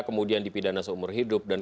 kemudian dipidana seumur hidup dan